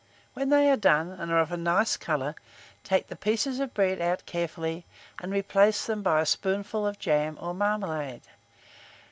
When they are done, and are of a nice colour, take the pieces of bread out carefully, and replace them by a spoonful of jam or marmalade.